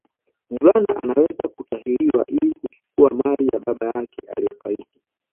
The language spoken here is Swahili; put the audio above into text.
Mvulana anaweza kutahiriwa ili kuchukua mali ya baba yake aliyefariki